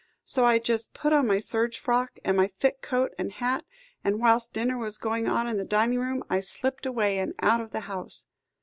So I just put on my serge frock, and my thick coat and hat; and whilst dinner was going on in the dining room, I slipped away, and out of the house.